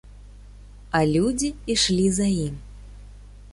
А людзі ішлі за ім.